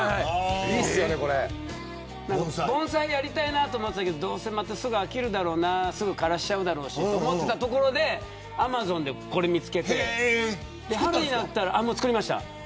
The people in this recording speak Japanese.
盆栽やりたいなと思ってたけどどうせ、すぐ飽きるだろうなすぐ枯らしちゃうだろうしと思ってたところでアマゾンでこれを見つけてもう作りました。